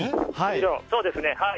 そうですね。